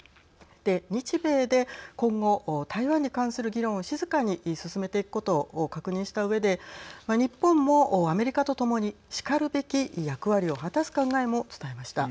日米で今後台湾に関する議論を静かに進めていくことを確認したうえで日本も、アメリカとともにしかるべき役割を果たす考えも伝えました。